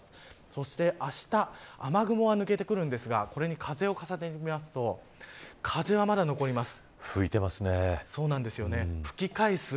そして、あした雨雲は抜けてくるんですがこれに風を重ねてみますと風はまだ残ります。